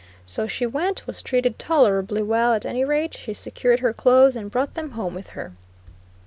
So she went, was treated tolerably well, at any rate, she secured her clothes and brought them home with her.